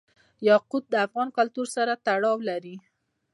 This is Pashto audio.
یاقوت د افغان کلتور سره تړاو لري.